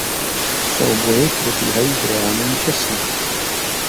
Souboje probíhají v reálném čase.